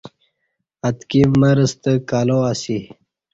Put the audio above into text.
اتکی مر ستہ کلا اسی